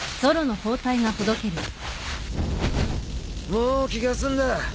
もう気が済んだ。